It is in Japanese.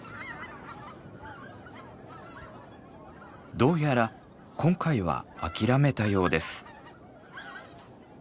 どうやら今回は諦めたようです。